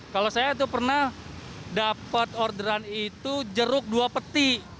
kalau saya itu pernah dapat orderan itu jeruk dua peti